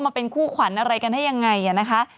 มาเป็นคู่ขวัญอะไรกันได้ยังไงนะคะ